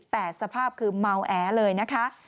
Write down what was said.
แต่สภาพคือเมาแอเลยนะคะ